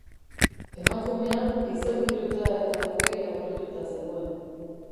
Emakumea izerdituta eta aurpegia gorrituta zegoen.